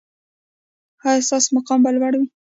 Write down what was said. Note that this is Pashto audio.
ایا ستاسو مقام به لوړ وي؟